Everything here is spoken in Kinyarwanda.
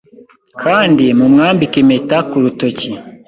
kandi mumwambike impeta ku rutoki